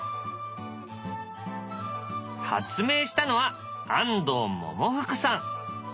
発明したのは安藤百福さん。